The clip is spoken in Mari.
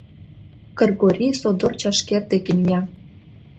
Кыргорий содор чашкер деке мия.